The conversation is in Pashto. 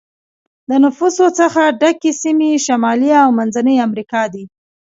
د نفوسو څخه ډکې سیمې شمالي او منځنی امریکا دي.